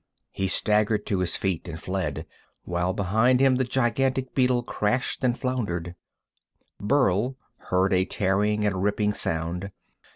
He staggered to his feet and fled, while behind him the gigantic beetle crashed and floundered Burl heard a tearing and ripping sound.